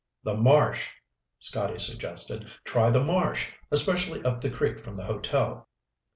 "The marsh," Scotty suggested. "Try the marsh, especially up the creek from the hotel."